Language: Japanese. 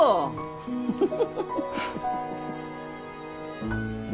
フフフフフ。